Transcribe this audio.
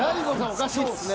おかしいっすね。